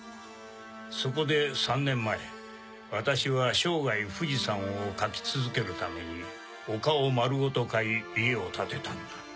そこで３年前私は生涯富士山を描き続けるために丘を丸ごと買い家を建てたんだ。